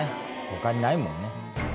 他にないもんね。